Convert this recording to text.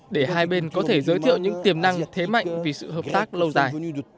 để hai bên có thể giới thiệu những tiềm năng thế mạnh vì sự hợp tác lâu dài